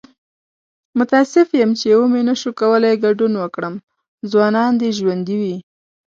متاسف یم چې و مې نشو کولی ګډون وکړم. ځوانان دې ژوندي وي!